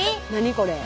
これ。